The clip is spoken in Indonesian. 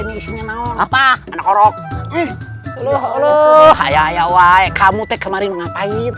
ini isinya naon apa anak horok eh eluh eluh ayayawai kamu teh kemarin ngapain